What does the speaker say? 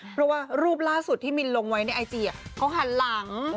เพราะว่ารูปล่าสุดที่มินลงไว้ในไอจีเขาหันหลัง